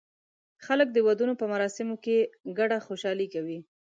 خلک د ودونو په مراسمو کې ګډه خوشالي کوي.